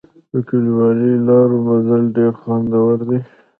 په کلیوالي لارو مزل ډېر خوندور دی.